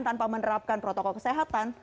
tanpa menerapkan protokol kesehatan